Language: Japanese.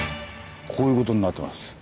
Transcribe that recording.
こういう事になってます。